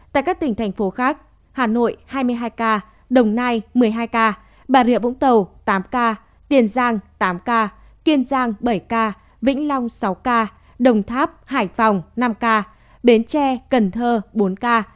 tại các tỉnh thành phố khác hà nội hai mươi hai ca đồng nai một mươi hai ca bà rịa vũng tàu tám ca tiền giang tám ca kiên giang bảy ca vĩnh long sáu ca đồng tháp hải phòng năm ca bến tre cần thơ bốn ca